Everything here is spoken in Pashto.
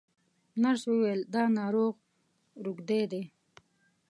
نرس وویل دا ناروغ روږدی دی.